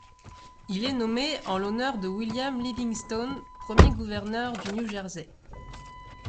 Il est nommé en l'honneur de William Livingston, premier Gouverneur du New Jersey.